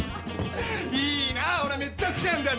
いいな俺めっちゃ好きなんだよ